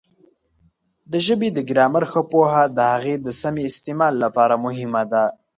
د ژبې د ګرامر ښه پوهه د هغې د سمې استعمال لپاره مهمه ده.